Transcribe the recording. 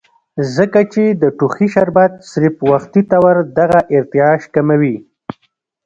ځکه چې د ټوخي شربت صرف وقتي طور دغه ارتعاش کموي